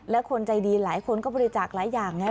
และคนใจดีหลายคนก็บริจาคหลายอย่างไง